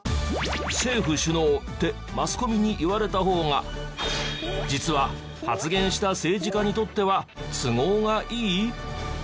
政府首脳ってマスコミに言われた方が実は発言した政治家にとっては都合がいい？